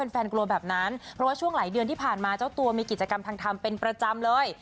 กลัวแบบนั้นเพราะว่าช่วงหลายเดือนที่ผ่านมาเจ้าตัวมีกิจกรรมทางทำเป็นประจำเลย